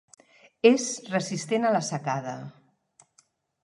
És resistent a la secada.